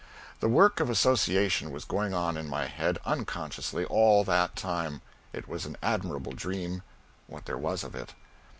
The work of association was going on in my head, unconsciously, all that time. It was an admirable dream, what there was of it.